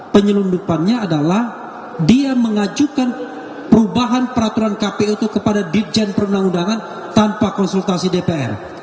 penyelundupannya adalah dia mengajukan perubahan peraturan kpu itu kepada dirjen perundang undangan tanpa konsultasi dpr